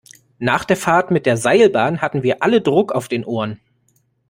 Nach der Fahrt mit der Seilbahn hatten wir alle Druck auf den Ohren.